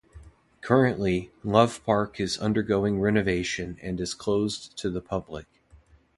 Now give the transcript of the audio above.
Currently, Love Park is undergoing renovation and is closed to the public.